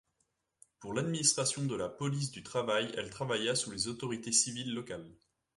Pour l'administration de la police du travail, elle travailla sous les autorités civiles locales.